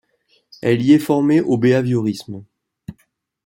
Elle y est formée au béhaviorisme.